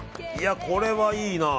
これはいいな。